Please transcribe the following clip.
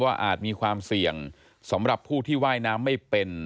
อาจมีความเสี่ยงสำหรับผู้ที่ว่ายน้ำไม่เป็น